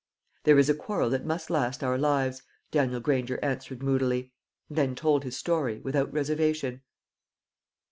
"There is a quarrel that must last our lives," Daniel Granger answered moodily, and then told his story, without reservation.